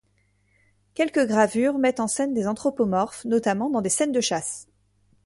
Quelques gravures mettent en scène des anthropomorphes, notamment dans des scènes de chasse.